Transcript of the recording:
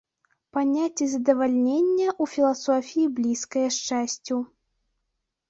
Паняцце задавальнення ў філасофіі блізкае шчасцю.